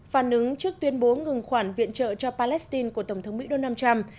phản ứng trước tuyên bố ngừng khoản viện trợ cho palestine của tổng thống mỹ donald trump